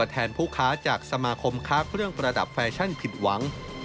แทนผู้ค้าจากสมาคมค้าเครื่องประดับแฟชั่นผิดหวัง